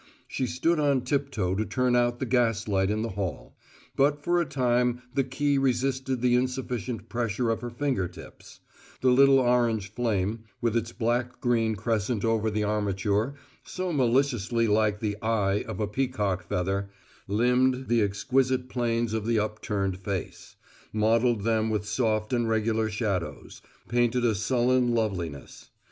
She stood on tiptoe to turn out the gas light in the hall; but for a time the key resisted the insufficient pressure of her finger tips: the little orange flame, with its black green crescent over the armature, so maliciously like the "eye" of a peacock feather, limned the exquisite planes of the upturned face; modelled them with soft and regular shadows; painted a sullen loveliness.